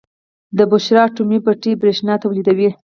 د بوشهر اټومي بټۍ بریښنا تولیدوي.